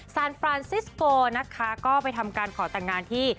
ฟรานซิสโฟนะคะก็ไปทำการขอแต่งงานที่